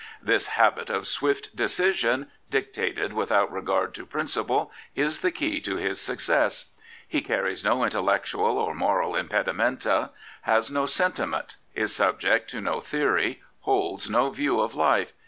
This habit of swift decision, dictated without regard to principle, is the key to his success. He carries no intellectual or moral impej^jmenta, has no sentiment, is subject to no theory, holds no view of life.